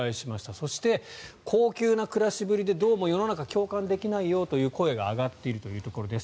そして、高級な暮らしぶりでどうも世の中共感できないよという声が上がっているというところです。